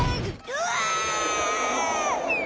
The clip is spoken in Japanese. うわ！